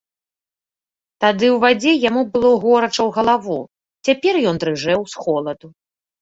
Тады ў вадзе яму было горача ў галаву, цяпер ён дрыжэў з холаду.